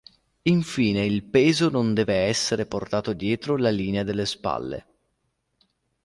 Infine il peso non deve essere portato dietro la linea delle spalle.